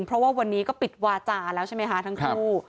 เพราะว่าวันนี้ก็ปิดวาจาแล้วใช่ไหมคะทั้งคู่